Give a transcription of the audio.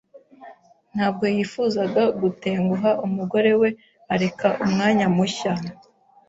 Ntabwo yifuzaga gutenguha umugore we areka umwanya mushya.